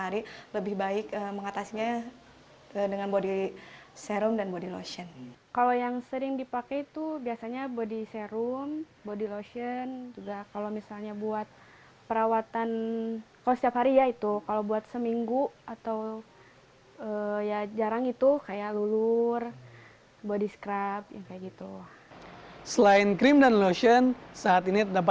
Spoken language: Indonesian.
selain krim dan lotion saat ini dapat banyak jenis untuk perawatan kulit